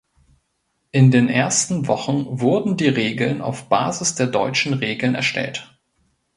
In den ersten Wochen wurden die Regeln auf Basis der deutschen Regeln erstellt.